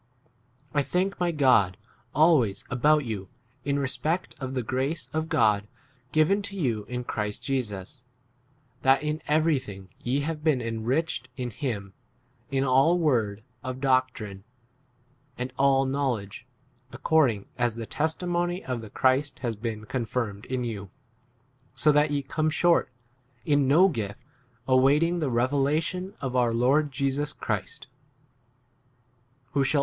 4 I thank my God always about you, in respect of x the grace of God given to you in Christ Jesus ; 5 that in everything ye have been enriched in him, in all word [of doctrine y], and all knowledge, 6 (according as the testimony of the Christ has been confirmed in you,) 7 so that ye come short in no gift, awaiting 2 the revelation of our w Saints by [divine] calling.